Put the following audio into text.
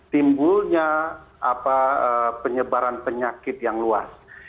timbulnya penyebaran penyakit yang luas